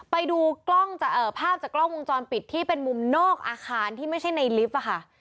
ไปดูภาพจากกล้องวงจรปิดที่เป็นมุมนอกอาคารที่ไม่ใช่ในลิฟต์ค่ะ